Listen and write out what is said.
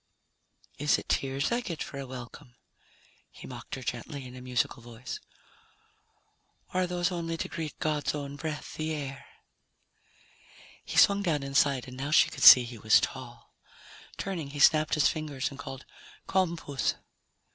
"Is it tears I get for a welcome?" he mocked her gently in a musical voice. "Or are those only to greet God's own breath, the air?" He swung down inside and now she could see he was tall. Turning, he snapped his fingers and called, "Come, puss."